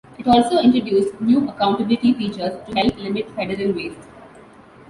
It also introduced new accountability features to help limit federal waste.